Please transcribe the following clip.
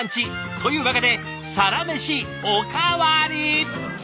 というわけでサラメシおかわり！